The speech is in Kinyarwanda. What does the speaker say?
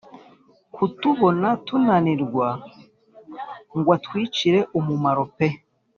kutubona tunanirwa ngw atwicire umumaro pe !